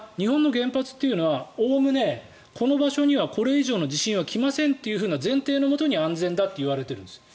そういうふうな部分とそれから日本の原発はおおむね、この場所にはこれ以上の地震が来ませんという前提のもとに安全だといわれているんです。